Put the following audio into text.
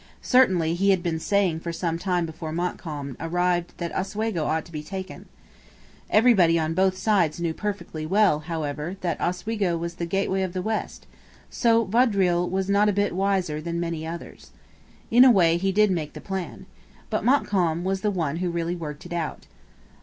Certainly he had been saying for some time before Montcalm arrived that Oswego ought to be taken. Everybody on both sides knew perfectly well, however, that Oswego was the gateway of the West; so Vaudreuil was not a bit wiser than many others. In a way he did make the plan. But Montcalm was the one who really worked it out.